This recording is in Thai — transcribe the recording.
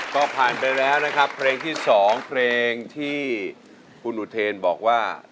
ก็ผ่านไปแล้วนะครับเพลงที่๒เพลงที่คุณอุเทนบอกว่า